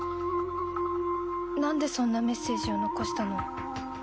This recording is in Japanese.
なんでそんなメッセージを残したの？